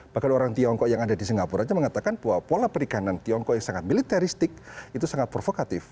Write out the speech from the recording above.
bahkan orang tiongkok yang ada di singapura aja mengatakan bahwa pola perikanan tiongkok yang sangat militeristik itu sangat provokatif